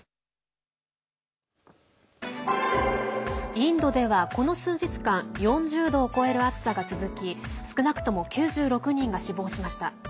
インドでは、この数日間４０度を超える暑さが続き少なくとも９６人が死亡しました。